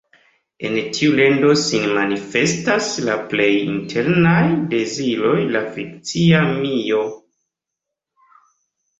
En tiu lando sin manifestas la plej internaj deziroj de la fikcia mio.